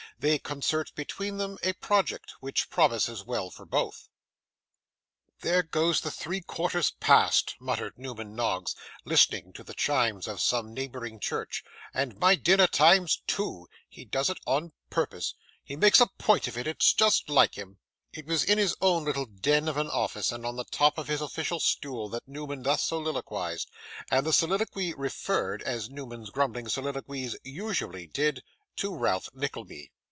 They concert between them a Project, which promises well for both 'There go the three quarters past!' muttered Newman Noggs, listening to the chimes of some neighbouring church 'and my dinner time's two. He does it on purpose. He makes a point of it. It's just like him.' It was in his own little den of an office and on the top of his official stool that Newman thus soliloquised; and the soliloquy referred, as Newman's grumbling soliloquies usually did, to Ralph Nickleby.